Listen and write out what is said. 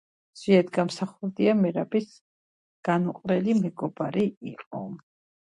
ნაგებობაში დროშებს ინახავდნენ, რომლებსაც შენობაში ათავსებდნენ ან ამოჰქონდათ სახურავის მოხსნის საშუალებით.